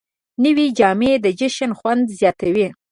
نوې جامې د جشن خوند زیاتوي